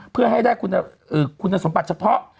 เพื่อให้ได้คุณสมบัติเฉพาะ